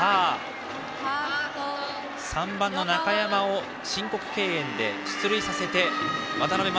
３番の中山を申告敬遠で出塁させて渡辺眞